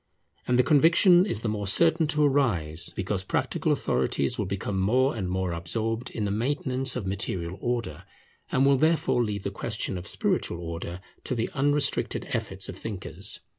And the conviction is the more certain to arise, because practical authorities will become more and more absorbed in the maintenance of material order, and will therefore leave the question of spiritual order to the unrestricted efforts of thinkers.